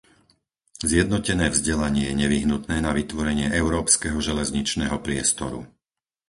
Zjednotené vzdelanie je nevyhnutné na vytvorenie európskeho železničného priestoru.